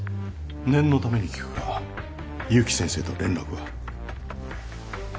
念のために聞くが勇気先生と連絡は？